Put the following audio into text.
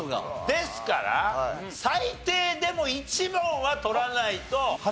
ですから最低でも１問は取らないと。